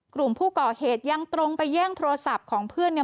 กลุ่มผู้ก่อเหตุยังตรงไปแย่งโทรศัพท์ของเพื่อนเนี่ย